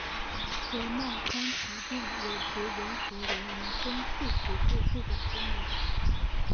河漫滩草甸有时沿河流延伸数十至数百公里。